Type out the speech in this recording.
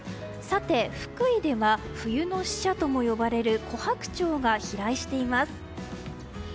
福井では冬の使者ともいわれるコハクチョウが飛来しています。